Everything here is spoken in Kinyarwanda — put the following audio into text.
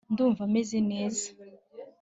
Ndumva meze neza